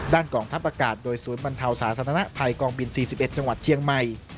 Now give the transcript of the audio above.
ด้านกล่องทัพอากาศโดยสูญบรรเทาศาสนธนภัยกลางบิน๔๑จังหวัดเชียงใหม่